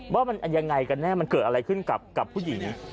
ว่ามันยังไงกันแน่มันเกิดอะไรขึ้นกับผู้หญิง